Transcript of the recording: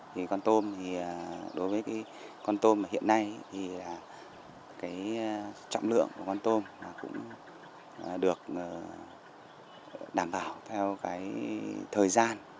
thì con tôm thì đối với cái con tôm mà hiện nay thì cái trọng lượng của con tôm nó cũng được đảm bảo theo cái thời gian